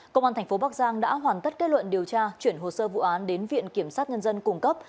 công an thành phố bắc giang đã hoàn tất kết luận điều tra chuyển hồ sơ vụ án đến viện kiểm sát nhân dân cùng cấp